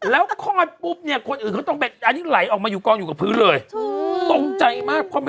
และอยู่หน้าลงพ่อ